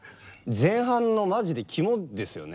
前半のマジで肝ですよね。